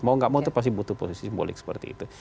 mau nggak mau itu pasti butuh posisi simbolik seperti itu